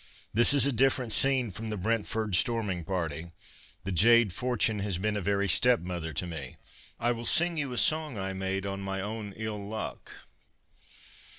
This is a different scene from the Brentford storming party. The jade Fortune has been a very step mother to me. I will sing you a song I made on my own ill luck."